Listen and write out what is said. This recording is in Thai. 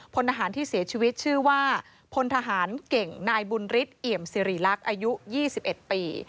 พลทหารที่เสียชีวิตชื่อว่าพลทหารเก่งนายบุญฤทธิเอี่ยมสิริรักษ์อายุ๒๑ปี